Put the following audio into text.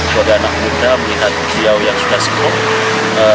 buat anak muda menikah jauh yang suka